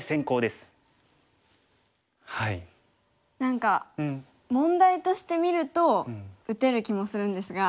何か問題として見ると打てる気もするんですが。